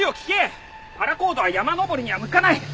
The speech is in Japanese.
パラコードは山登りには向かない。